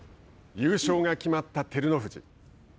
優勝が決まった照ノ富士。